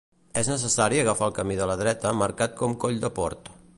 És necessari agafar el camí de la dreta marcat com Coll de Port.